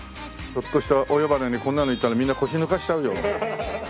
ちょっとしたお呼ばれにこんなので行ったらみんな腰抜かしちゃうよ。